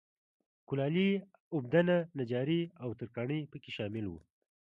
کولالي، اوبدنه، نجاري او ترکاڼي په کې شامل و.